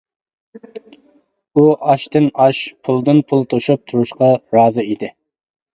ئۇ ئاشتىن ئاش، پۇلدىن پۇل توشۇپ تۇرۇشقا رازى ئىدى.